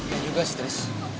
ya juga sih tris